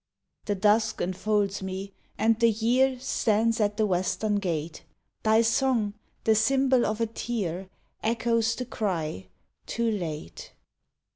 The dusk enfolds me, and the year Stands at the western gate. Thy song, the symbol of a tear, Echoes the cry "Too late!"